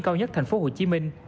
cao nhất tp hcm